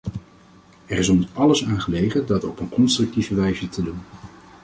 Er is ons alles aan gelegen dat op een constructieve wijze te doen.